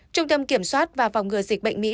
trung tâm kiểm soát và phòng ngừa dịch bệnh mỹ